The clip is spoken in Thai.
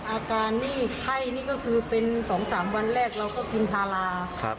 อาการนี่ไข้นี่ก็คือเป็น๒๓วันแรกเราก็กินพารา